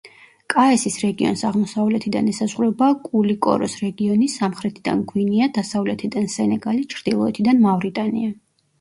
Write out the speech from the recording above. კაესის რეგიონს აღმოსავლეთიდან ესაზღვრება კულიკოროს რეგიონი, სამხრეთიდან გვინეა, დასავლეთიდან სენეგალი, ჩრდილოეთიდან მავრიტანია.